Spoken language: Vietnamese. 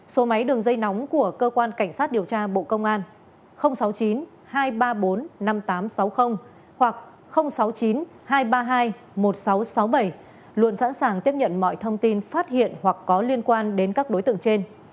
số máy đường dây nóng của cơ quan cảnh sát điều tra bộ công an sáu mươi chín hai trăm ba mươi bốn năm nghìn tám trăm sáu mươi hoặc sáu mươi chín hai trăm ba mươi hai một nghìn sáu trăm sáu mươi bảy luôn sẵn sàng tiếp nhận mọi thông tin phát hiện hoặc có liên quan đến các đối tượng trên